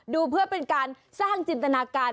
ดูเพื่อเป็นการสร้างจินตนาการ